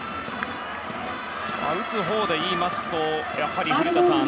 打つほうでいうとやはり、古田さん